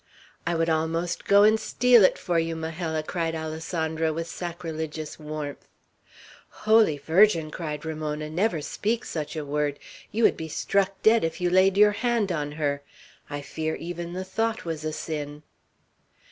"I would almost go and steal it for you, Majella," cried Alessandro, with sacrilegious warmth. "Holy Virgin!" cried Ramona, "never speak such a word. You would be struck dead if you laid your hand on her! I fear even the thought was a sin."